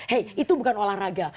hey itu bukan olahraga